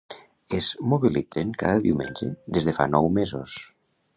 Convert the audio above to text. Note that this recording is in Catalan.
Es mobilitzen cada diumenge des de fa nou mesos.